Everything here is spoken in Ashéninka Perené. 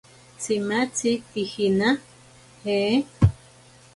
Tsimatzi pijina? ¿je?